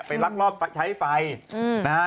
ไปรักรอบใช้ไฟนะฮะ